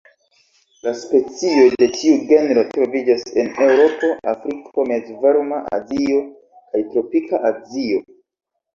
La specioj de tiu genro troviĝas en Eŭropo, Afriko, mezvarma Azio kaj tropika Azio.